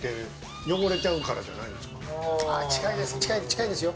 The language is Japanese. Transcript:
近いですよ。